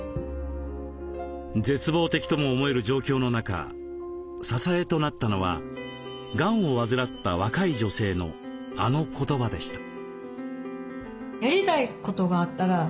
絶望的とも思える状況の中支えとなったのはがんを患った若い女性のあの言葉でした。